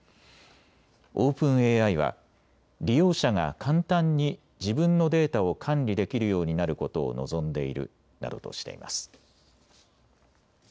オープンＡＩは利用者が簡単に自分のデータを管理できるようになることを望んでいるなどとしています。